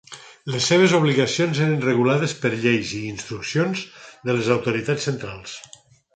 Les seves obligacions eren regulades per lleis i instruccions de les autoritats centrals.